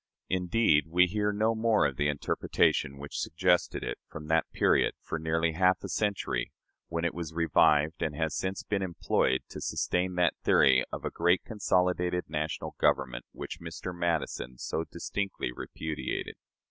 Indeed, we hear no more of the interpretation which suggested it, from that period, for nearly half a century, when it was revived, and has since been employed, to sustain that theory of a "great consolidated national government" which Mr. Madison so distinctly repudiated.